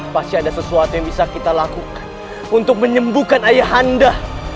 pasti ada sesuatu yang bisa kita lakukan untuk menyembuhkan ayah anda